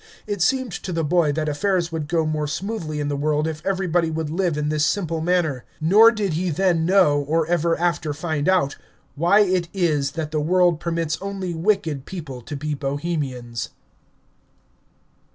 It seemed to the boy that affairs would go more smoothly in the world if everybody would live in this simple manner. Nor did he then know, or ever after find out, why it is that the world permits only wicked people to be Bohemians.